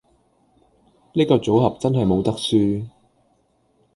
呢個組合真係冇得輸